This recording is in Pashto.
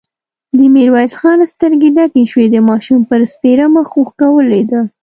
د ميرويس خان سترګې ډکې شوې، د ماشوم پر سپېره مخ اوښکه ولوېده.